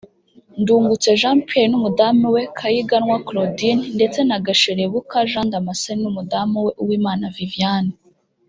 Ndungutse Jean Pierre n’umudamu we Kayiganwa Claudine ndetse na Gasherebuka Jean Damascène n’umudamu we Uwimana Viviane